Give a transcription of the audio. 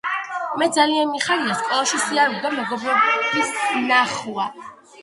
მე ძალიან მიხარია სკოლაში სიარული და მეგობრების ნახვა